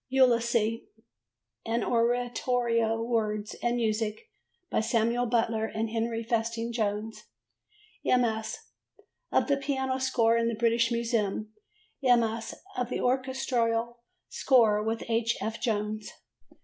Ulysses, an Oratorio: Words and music by Samuel Butler and Henry Festing Jones: MS. of the piano score in the British Museum, MS. of the orchestral score with H. F. Jones.